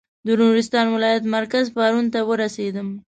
د نورستان ولایت مرکز پارون ته ورسېدم.